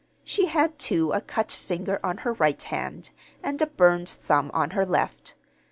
She had, too, a cut finger on her right hand, and a burned thumb on her left.